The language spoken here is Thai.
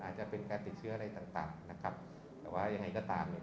อาจจะเป็นการติดเชื้ออะไรต่างต่างนะครับแต่ว่ายังไงก็ตามเนี่ย